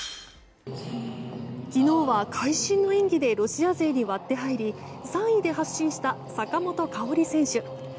昨日は会心の演技でロシア勢に割って入り３位で発進した坂本花織選手。